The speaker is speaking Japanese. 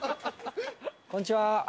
こんにちは。